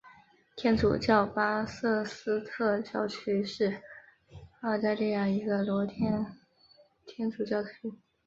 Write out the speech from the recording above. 天主教巴瑟斯特教区是澳大利亚一个罗马天主教教区。